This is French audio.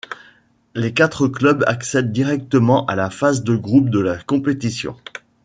Les quatre clubs accèdent directement à la phase de groupes de la compétition.